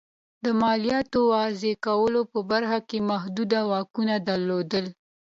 د مالیاتو وضعه کولو په برخو کې محدود واکونه درلودل.